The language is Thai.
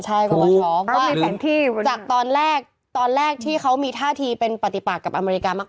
ใช่ก็ไปช็อกว่าจากตอนแรกที่เขามีท่าทีเป็นปฏิปักกับอเมริกามาก